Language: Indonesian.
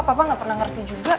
papa nggak pernah ngerti juga